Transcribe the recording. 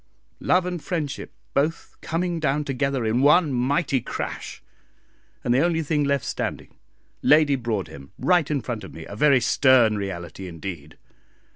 Love and friendship both coming down together in one mighty crash, and the only thing left standing Lady Broadhem right in front of me a very stern reality indeed.